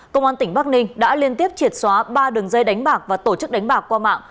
công an tỉnh bắc ninh đã liên tiếp triệt xóa ba đường dây đánh bạc và tổ chức đánh bạc qua mạng